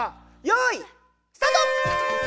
よういスタート！